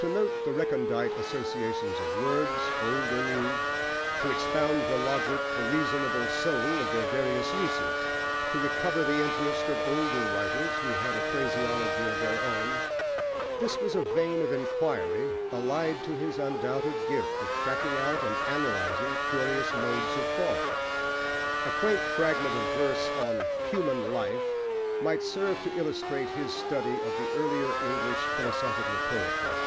To note the recondite associations of words, old or new; to expound the logic, the reasonable soul, of their various uses; to recover the interest of older writers who had had a phraseology of their own this was a vein of inquiry allied to his undoubted gift of tracking out and analysing curious modes of thought. A quaint fragment of verse on Human Life might serve to illustrate his study of the earlier English philosophical poetry.